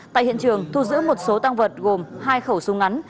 tại hiện trường thu giữ một số tăng vật gồm hai khẩu súng ngắn